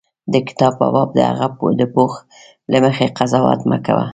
د کتاب په باب د هغه د پوښ له مخې قضاوت مه کوه.